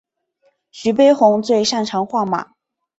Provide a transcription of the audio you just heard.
徐悲鸿最擅长画马。